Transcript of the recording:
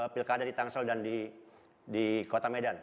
pilih kata di tangsel dan di kota medan